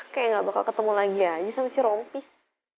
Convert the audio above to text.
kayak gak bakal ketemu lagi aja sama si rompis